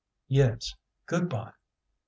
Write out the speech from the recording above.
"Yes, good bye."